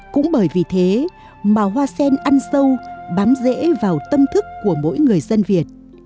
cũng bởi vì thế mà hoa sen ăn sâu bám dễ vào tâm thức của mỗi người dân việt